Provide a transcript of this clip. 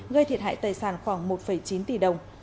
gây thiệt hại tài sản khoảng một chín tỷ đồng